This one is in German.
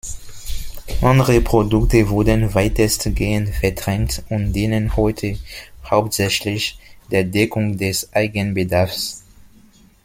Andere Produkte wurden weitestgehend verdrängt und dienen heute hauptsächlich der Deckung des Eigenbedarfs.